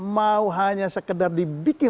mau hanya sekedar dibikin